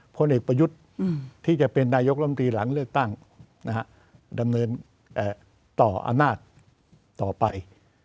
พลเอกประยุทธ์ที่จะเป็นนายกรรมตรีหลังเลือกตั้งดำเนินต่ออำนาจต่อไป